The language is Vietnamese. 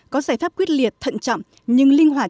có giải pháp quyết liệt thận chậm nhưng linh hoạt